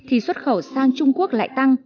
thì xuất khẩu sang trung quốc lại tăng